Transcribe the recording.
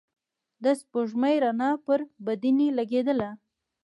د سپوږمۍ رڼا پر بدنې لګېدله.